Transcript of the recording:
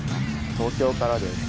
東京からです。